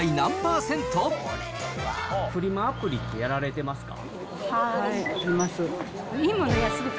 アプリって、やられてますか？